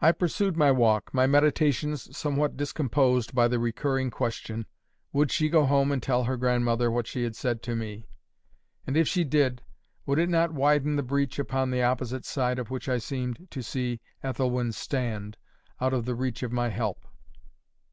I pursued my walk, my meditations somewhat discomposed by the recurring question:—Would she go home and tell her grandmother what she had said to me? And, if she did, would it not widen the breach upon the opposite side of which I seemed to see Ethelwyn stand, out of the reach of my help?